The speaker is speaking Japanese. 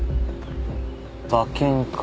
馬券か。